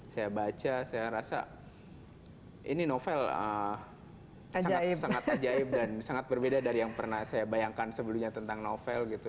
saya baca saya rasa ini novel sangat sangat ajaib dan sangat berbeda dari yang pernah saya bayangkan sebelumnya tentang novel gitu